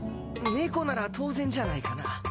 猫なら当然じゃないかな。